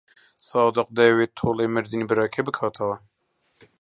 سادق دەیەوێت تۆڵەی مردنی براکەی بکاتەوە.